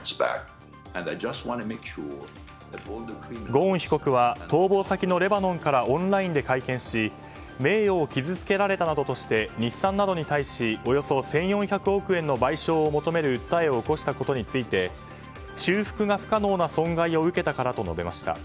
ゴーン被告は逃亡先のレバノンからオンラインで会見し名誉を傷つけられたなどとして日産などに対しおよそ１４００億円の賠償を求める訴えを起こしたことについて修復が不可能な損害を受けたからと述べました。